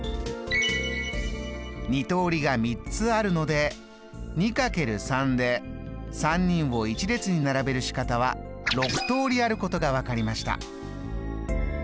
２通りが３つあるので２×３で３人を一列に並べる仕方は６通りあることが分かりました。